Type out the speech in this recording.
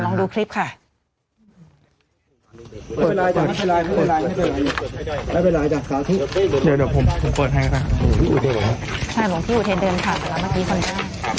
ลองดูคลิปค่ะเดี๋ยวเดี๋ยวผมผมเปิดให้ค่ะ